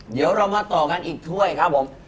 เดี๋ยวเรามาต่อกันอีกถ้วยครับผม